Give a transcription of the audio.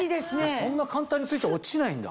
そんな簡単に着いて落ちないんだ？